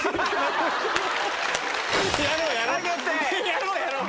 やろうやろう。